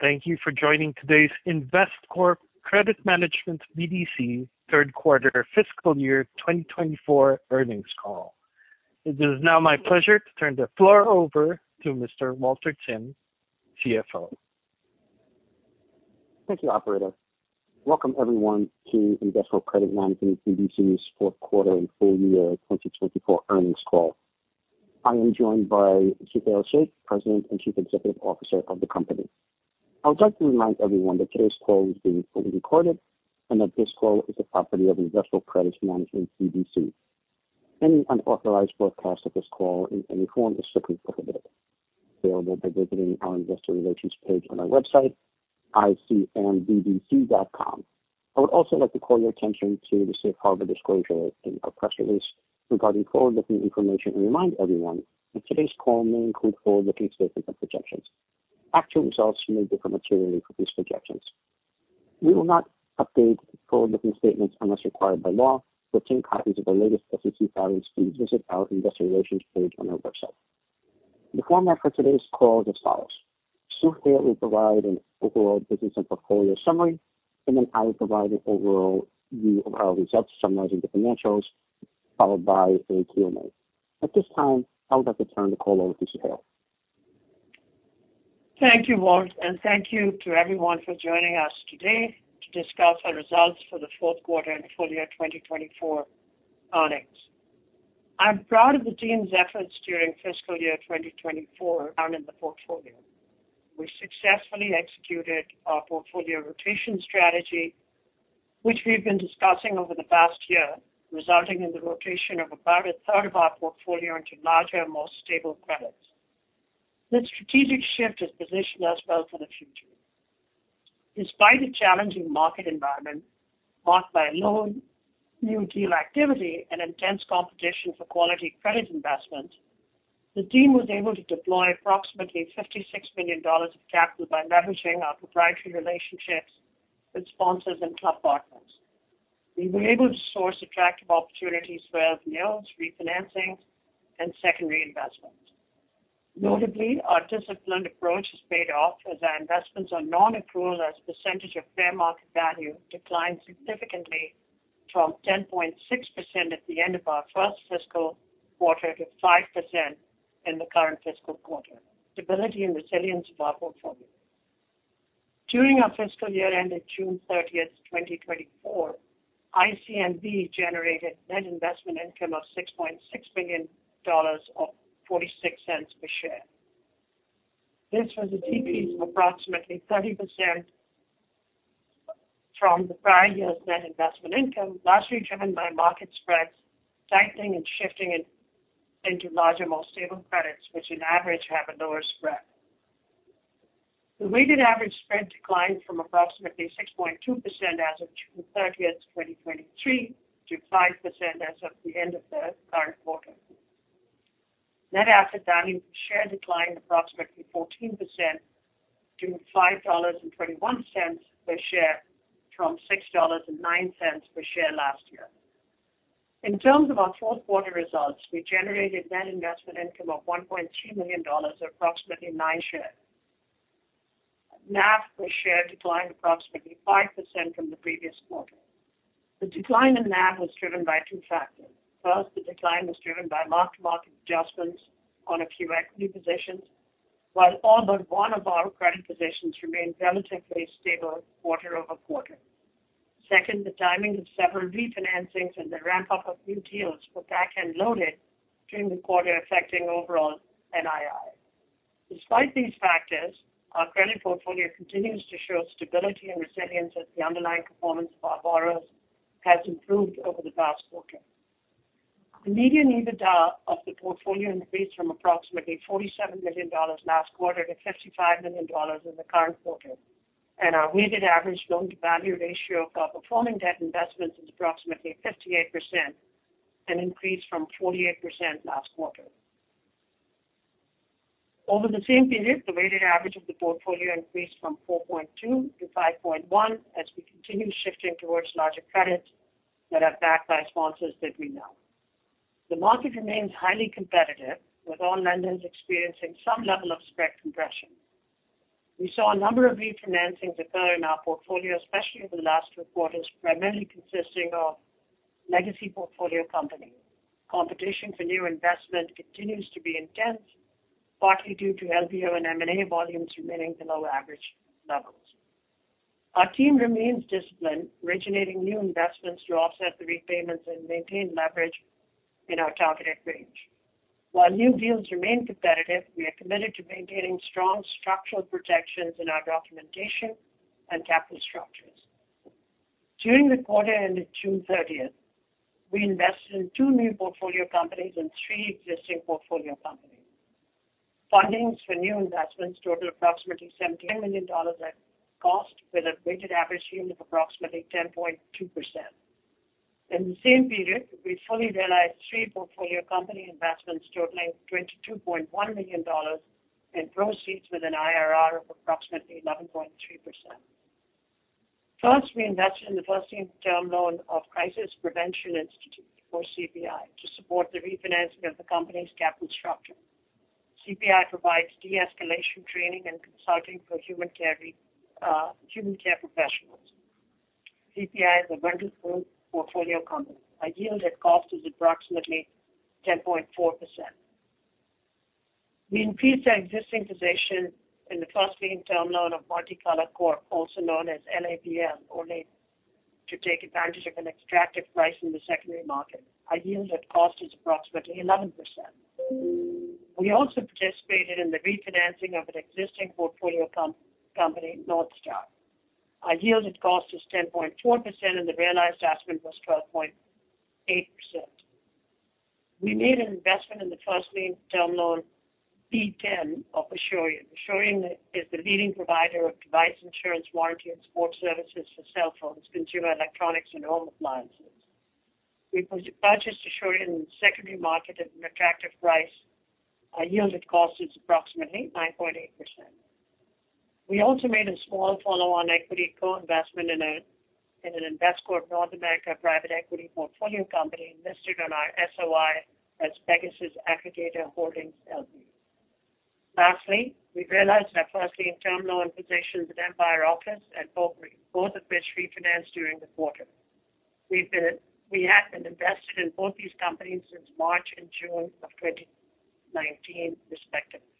Thank you for joining today's Investcorp Credit Management BDC third quarter fiscal year 2024 earnings call. It is now my pleasure to turn the floor over to Mr. Walter Tsin, CFO. Thank you, operator. Welcome Everyone to Investcorp Credit Management BDC's Fourth Quarter and Full-year 2024 Earnings Call. I am joined by Suhail Shaikh, President and Chief Executive Officer of the company. I would like to remind everyone that today's call is being fully recorded and that this call is the property of Investcorp Credit Management BDC. Any unauthorized broadcast of this call in any form is strictly prohibited. Available by visiting our investor relations page on our website, icmbdc.com. I would also like to call your attention to the safe harbor disclosure in our press release regarding forward-looking information and remind everyone that today's call may include forward-looking statements and projections. Actual results may differ materially from these projections. We will not update forward-looking statements unless required by law. For current copies of the latest SEC filings, please visit our investor relations page on our website. The format for today's call is as follows: Suhail will provide an overall business and portfolio summary, and then I will provide an overall view of our results, summarizing the financials, followed by a Q&A. At this time, I would like to turn the call over to Suhail. Thank you, Walter, and thank you to everyone for joining us today to discuss our results for the fourth quarter and full year twenty-twenty-four earnings. I'm proud of the team's efforts during fiscal year twenty-twenty-four and in the portfolio. We successfully executed our portfolio rotation strategy, which we've been discussing over the past year, resulting in the rotation of about a third of our portfolio into larger, more stable credits. This strategic shift has positioned us well for the future. Despite the challenging market environment, marked by low new deal activity and intense competition for quality credit investments, the team was able to deploy approximately $56 million of capital by leveraging our proprietary relationships with sponsors and club partners. We've been able to source attractive opportunities for both new, refinancing, and secondary investments. Notably, our disciplined approach has paid off as our investments are non-accrual as a percentage of fair market value declined significantly from 10.6% at the end of our first fiscal quarter to 5% in the current fiscal quarter. Stability and resilience of our portfolio. During our fiscal year ended June thirtieth, twenty-twenty-four, ICMB generated net investment income of $6.6 billion, or $0.46 per share. This was a decrease of approximately 30% from the prior year's net investment income, largely driven by market spreads tightening and shifting in, into larger, more stable credits, which on average have a lower spread. The weighted average spread declined from approximately 6.2% as of June thirtieth, twenty-twenty-three, to 5% as of the end of the current quarter. Net asset value per share declined approximately 14% to $5.21 per share from $6.09 per share last year. In terms of our fourth quarter results, we generated net investment income of $1.2 million, or approximately nine cents. NAV per share declined approximately 5% from the previous quarter. The decline in NAV was driven by two factors. First, the decline was driven by mark-to-market adjustments on a few equity positions, while all but one of our credit positions remained relatively stable quarter over quarter. Second, the timing of several refinancings and the ramp-up of new deals were back-end loaded during the quarter, affecting overall NII. Despite these factors, our credit portfolio continues to show stability and resilience as the underlying performance of our borrowers has improved over the past quarter. The median EBITDA of the portfolio increased from approximately $47 million last quarter to $55 million in the current quarter, and our weighted average loan-to-value ratio of our performing debt investments is approximately 58%, an increase from 48% last quarter. Over the same period, the weighted average of the portfolio increased from 4.2 to 5.1 as we continue shifting towards larger credits that are backed by sponsors that we know. The market remains highly competitive, with all lenders experiencing some level of spread compression. We saw a number of refinancings occur in our portfolio, especially over the last two quarters, primarily consisting of legacy portfolio companies. Competition for new investment continues to be intense, partly due to LBO and M&A volumes remaining below average levels. Our team remains disciplined, originating new investments to offset the repayments and maintain leverage in our targeted range. While new deals remain competitive, we are committed to maintaining strong structural protections in our documentation and capital structures. During the quarter ended June thirtieth, we invested in two new portfolio companies and three existing portfolio companies. Fundings for new investments totaled approximately $70 million at cost, with a weighted average yield of approximately 10.2%. In the same period, we fully realized three portfolio company investments totaling $22.1 million in proceeds with an IRR of approximately 11.3%. First, we invested in the first lien term loan of Crisis Prevention Institute, or CPI, to support the refinancing of the company's capital structure. CPI provides de-escalation training and consulting for human care professionals. CPI is a wonderful portfolio company. Our yield at cost is approximately 10.4%. We increased our existing position in the first lien term loan of Multi-Color Corp, also known as NAPL or NAPE, to take advantage of an attractive price in the secondary market. Our yield at cost is approximately 11%. We also participated in the refinancing of an existing portfolio company, Northstar. Our yield at cost is 10.4%, and the realized investment was 12.8%. We made an investment in the first lien term loan, B-10 of Asurion. Asurion is the leading provider of device insurance, warranty, and support services for cell phones, consumer electronics, and home appliances. We purchased Asurion in the secondary market at an attractive price. Our yield at cost is approximately 9.8%. We also made a small follow-on equity co-investment in an Investcorp North America private equity portfolio company listed on our SOI as Pegasus Aggregator Holdings, LP. Lastly, we realized our first lien term loan positions with Empire Office and Aubrey, both of which refinanced during the quarter. We have been invested in both these companies since March and June of 2019, respectively.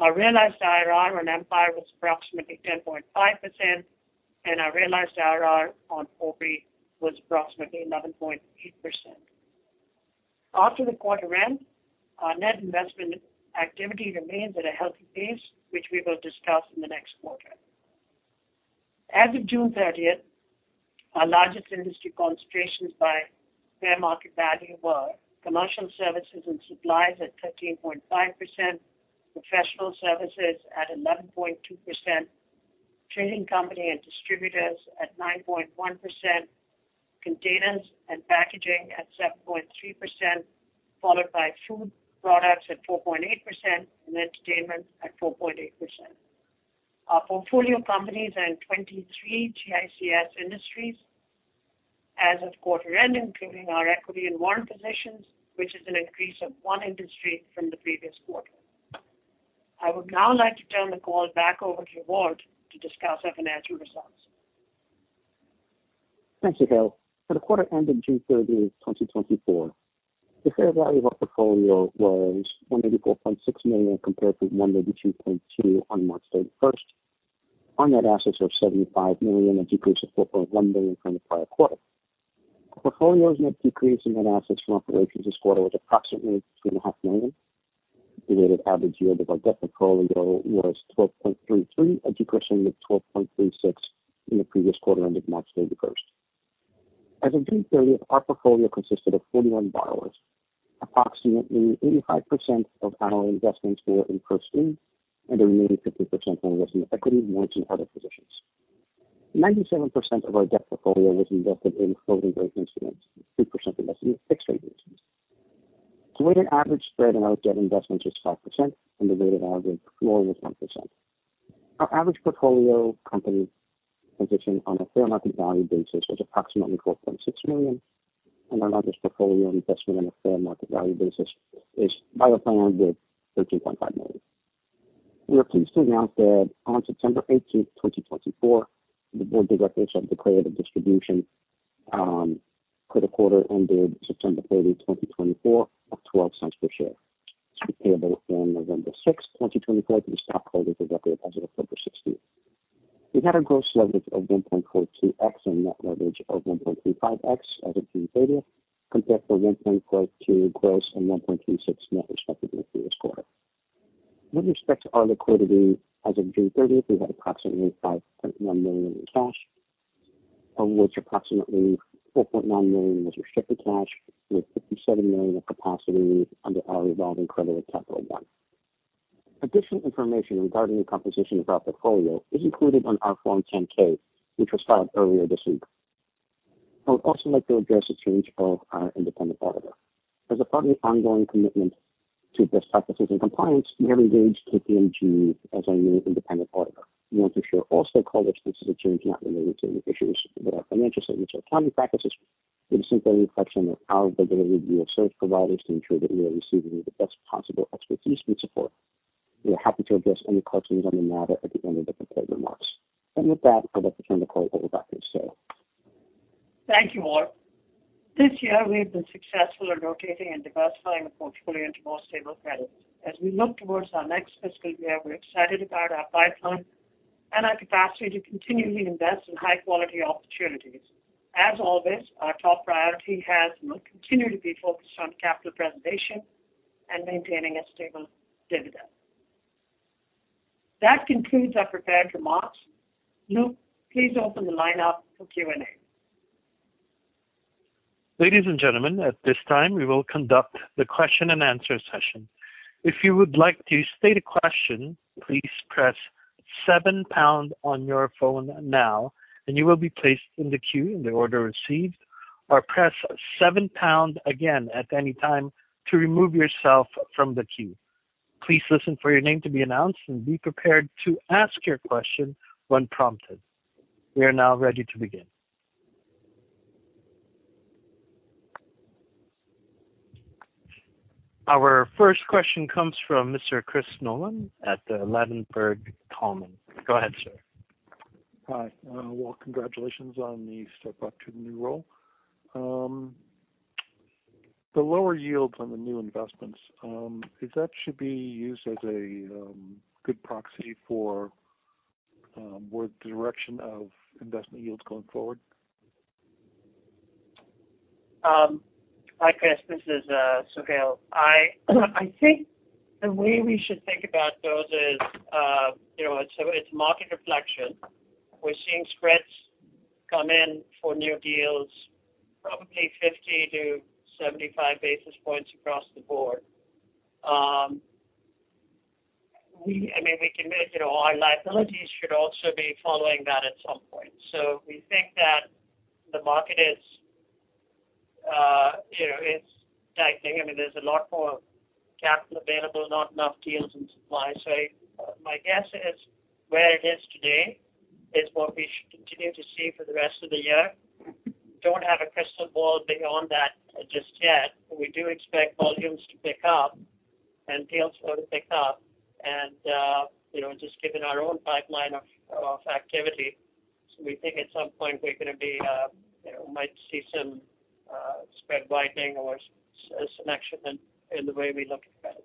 Our realized IRR on Empire was approximately 10.5%, and our realized IRR on Aubrey was approximately 11.8%. After the quarter end, our net investment activity remains at a healthy pace, which we will discuss in the next quarter. As of June thirtieth, our largest industry concentrations by fair market value were commercial services and supplies at 13.5%, professional services at 11.2%, trading company and distributors at 9.1%, containers and packaging at 7.3%, followed by food products at 4.8%, and entertainment at 4.8%. Our portfolio companies are in twenty-three GICS industries as of quarter end, including our equity and warrant positions, which is an increase of one industry from the previous quarter. I would now like to turn the call back over to Walt to discuss our financial results. Thank you, Suhail. For the quarter ended June 30, 2024, the fair value of our portfolio was $184.6 million, compared to $182.2 million on March 31. Our net assets are $75 million, a decrease of $4.1 billion from the prior quarter. The portfolio's net decrease in net assets from operations this quarter was approximately $3.5 million. The weighted average yield of our debt portfolio was 12.33%, a decrease from the 12.36% in the previous quarter ended March 31. As of June 30, our portfolio consisted of 41 borrowers. Approximately 85% of our investments were in first lien, and the remaining 15% were invested in equity, warrants, and other positions. 97% of our debt portfolio was invested in floating rate instruments, and 3% invested in fixed rate instruments. The weighted average spread on our debt investments is 5%, and the weighted average floor is 1%. Our average portfolio company position on a fair market value basis was approximately $4.6 million, and our largest portfolio investment on a fair market value basis is Bioplan with $13.5 million. We are pleased to announce that on September eighteenth, 2024, the board of directors have declared a distribution for the quarter ended September thirtieth, 2024, of $0.12 per share. It's payable on November sixth, 2024, to the stockholders of record as of October sixteenth. We've had a gross leverage of 1.42x and net leverage of 1.35x as of June thirtieth, compared to 1.42x gross and 1.36x net, respectively, the previous quarter. With respect to our liquidity, as of June thirtieth, we had approximately $5.1 million in cash, of which approximately $4.9 million was restricted cash, with $57 million of capacity under our revolving credit with Capital One. Additional information regarding the composition of our portfolio is included on our Form 10-K, which was filed earlier this week. I would also like to address the change of our independent auditor. As a part of our ongoing commitment to best practices and compliance, we have engaged KPMG as our new independent auditor. We want to assure all stockholders this is a change not related to any issues with our financial statements or accounting practices, but simply a reflection of our deliberate review of service providers to ensure that we are receiving the best possible expertise and support. We are happy to address any questions on the matter at the end of the prepared remarks, and with that, I'd like to turn the call over back to Gail. Thank you, Walt. This year, we've been successful in rotating and diversifying the portfolio into more stable credits. As we look towards our next fiscal year, we're excited about our pipeline and our capacity to continually invest in high-quality opportunities. As always, our top priority has and will continue to be focused on capital preservation and maintaining a stable dividend. That concludes our prepared remarks. Luke, please open the line up for Q&A. Ladies and gentlemen, at this time, we will conduct the question-and-answer session. If you would like to state a question, please press seven pound on your phone now and you will be placed in the queue in the order received, or press seven pound again at any time to remove yourself from the queue... Please listen for your name to be announced and be prepared to ask your question when prompted. We are now ready to begin. Our first question comes from Mr. Chris Nolan at the Ladenburg Thalmann. Go ahead, sir. Hi. Well, congratulations on the step up to the new role. The lower yields on the new investments, is that should be used as a good proxy for where the direction of investment yields going forward? Hi, Chris. This is Suhail. I think the way we should think about those is, you know, it's market reflection. We're seeing spreads come in for new deals, probably 50-75 basis points across the board. I mean, we can, you know, our liabilities should also be following that at some point. So we think that the market is, you know, it's tightening. I mean, there's a lot more capital available, not enough deals and supply. So my guess is, where it is today is what we should continue to see for the rest of the year. Don't have a crystal ball beyond that just yet, but we do expect volumes to pick up and deals flow to pick up. And, you know, just given our own pipeline of activity, so we think at some point we're gonna be, you know, might see some spread widening or some action in the way we look at that.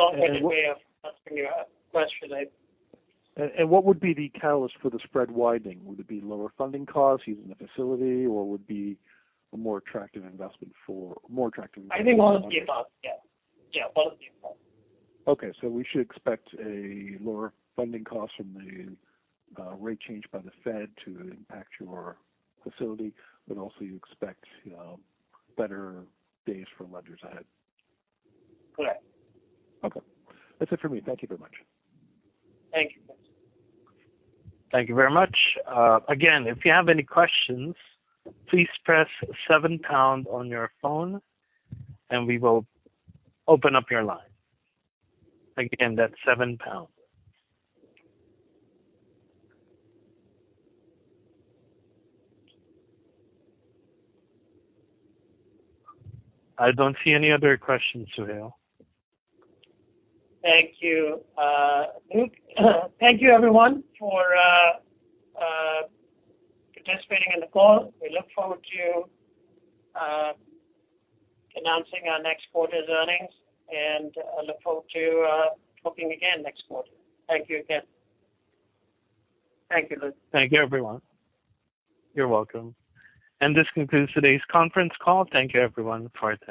I hope I did way of answering your question I- What would be the catalyst for the spread widening? Would it be lower funding costs using the facility, or would be a more attractive investment for more attractive- I think both the above. Yeah. Yeah, both the above. Okay, so we should expect a lower funding cost from the rate change by the Fed to impact your facility, but also you expect better days for lenders ahead? Correct. Okay. That's it for me. Thank you very much. Thank you. Thank you very much. Again, if you have any questions, please press seven pound on your phone, and we will open up your line. Again, that's seven pound. I don't see any other questions, Suhail. Thank you, Luke. Thank you, everyone, for participating in the call. We look forward to announcing our next quarter's earnings, and I look forward to talking again next quarter. Thank you again. Thank you, Luke. Thank you, everyone. You're welcome. This concludes today's conference call. Thank you, everyone, for attending.